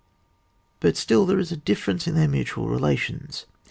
But still there is a differ ence in their mutual relations.